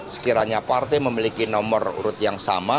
sekiranya partai memiliki nomor urut yang sama